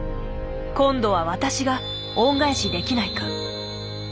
今度は私が恩返しできないか。